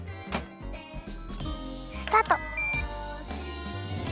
スタート。